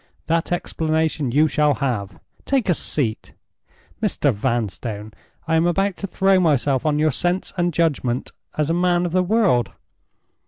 That explanation you shall have. Take a seat. Mr. Vanstone. I am about to throw myself on your sense and judgment as a man of the world.